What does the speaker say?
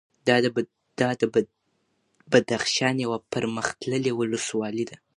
دا د بدخشان یوه پرمختللې ولسوالي ده